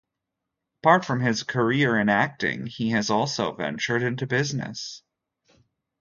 Apart from his career in acting, he has also ventured into businesses.